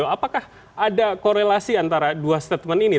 apakah ada korelasi antara dua statement ini